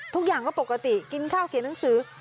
ทุกอย่างก็ปกติกินข้าวเขียนหนังสือ